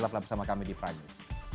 tetap bersama kami di prager